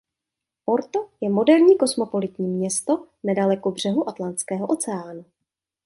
Porto je moderní kosmopolitní město nedaleko břehu Atlantského oceánu.